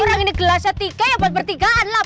orang ini gelasnya tiga ya buat pertigaan lah